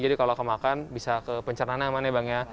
jadi kalau kemakan bisa ke pencernahan aman ya bang ya